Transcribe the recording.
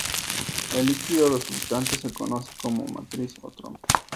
El líquido resultante se conoce como matriz o tronco.